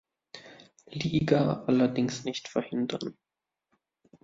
Liga allerdings nicht verhindern.